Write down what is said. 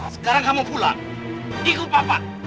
sekarang kamu pula ikut bapak